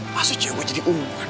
masih cuy gue jadi umpan